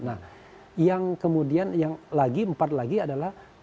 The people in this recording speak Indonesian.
nah yang kemudian yang lagi empat lagi adalah